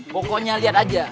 pokoknya lihat aja